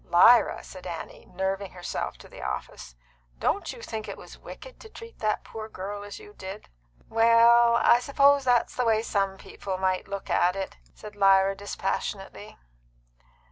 "Lyra," said Annie, nerving herself to the office; "don't you think it was wicked to treat that poor girl as you did?" "Well, I suppose that's the way some people might look at it," said Lyra dispassionately.